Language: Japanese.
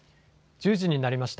１０時になりました。